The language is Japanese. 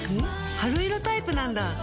春色タイプなんだ。